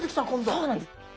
そうなんです。